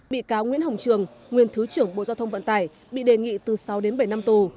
bị cáo nguyễn hồng trường nguyên thứ trưởng bộ giao thông vận tải bị đề nghị từ sáu đến bảy năm tù